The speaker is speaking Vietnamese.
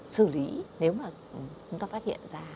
xử lý nếu mà chúng ta phát hiện ra